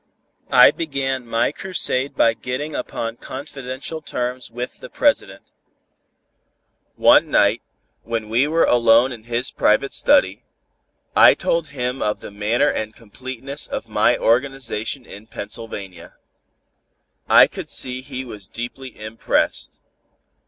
I began my crusade by getting upon confidential terms with the President. One night, when we were alone in his private study, I told him of the manner and completeness of my organization in Pennsylvania. I could see he was deeply impressed.